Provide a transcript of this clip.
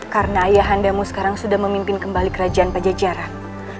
karena ayah andamu sekarang sudah memimpin kembali kerajaan pada jarak